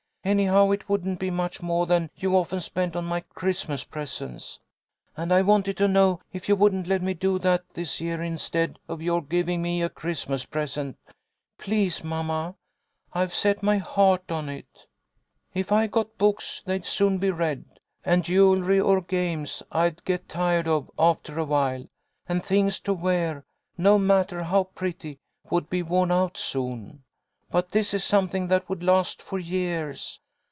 Anyhow, it wouldn't be much more than you've often spent on my Christmas presents. And I wanted to know if you wouldn't let me do that this year instead of your giving me a Christmas present. Please, mamma, I've set my heart on it. If I got books they'd soon be read, and jewelry or games I'd get tired of after awhile, and things to wear, no matter how pretty, would be worn out soon. But this is something that would last for years.